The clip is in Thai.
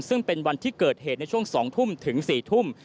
ซึ่งเป็นวันที่เกิดเหตุในช่วง๒ทุ่มถึง๔ทุ่ม